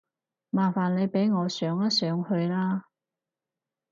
麻煩你俾我上一上去啦